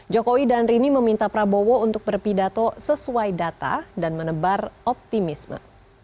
jokowi dan rini meminta prabowo untuk berpidato sesuai data dan menebar optimisme